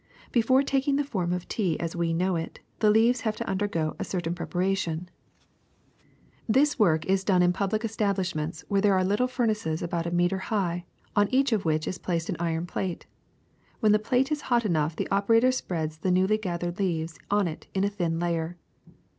^^ Before taking the form of tea as we know it, the leaves have to undergo a certain preparation. This TEA 189 work is done in public establishments where there are little furnaces about a meter high, on each of which is placed an iron plate. When the plate is hot enough the operator spreads the newly gathered leaves on it in a thin layer.